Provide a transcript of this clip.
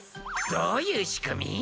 どういう仕組み？